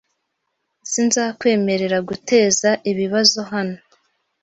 Sinzakwemerera guteza ibibazo hano .